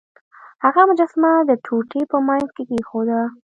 هغه مجسمه د ټوټې په مینځ کې کیښوده.